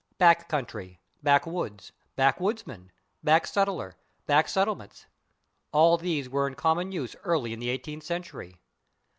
/Back country/, /back woods/, /back woodsman/, /back settlers/, /back settlements/: all these were in common use early in the eighteenth century.